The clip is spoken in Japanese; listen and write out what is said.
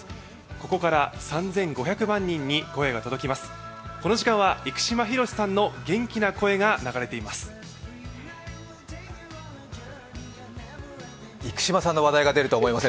ここから３５００万人に声が届きます。